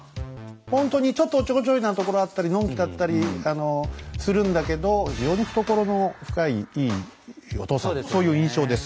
ほんとにちょっとおっちょこちょいなところあったりのんきだったりするんだけど非常に懐の深いいいお父さんそういう印象です。